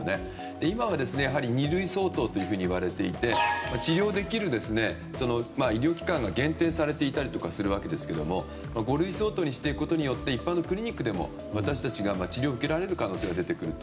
今は二類相当というふうにいわれていて治療できる医療機関が限定されていたりするわけですが五類相当にすることによって一般のクリニックでも私たちが治療を受けられる可能性が出てくると。